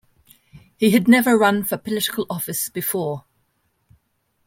He had never run for political office before.